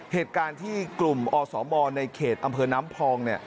เหตุการณ์ที่กลุ่มอสมในเขตอำเภอน้ำพอง